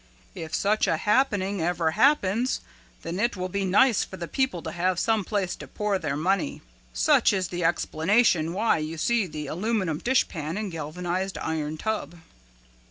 If such a happening ever happens then it will be nice for the people to have some place to pour their money. Such is the explanation why you see the aluminum dishpan and galvanized iron tub."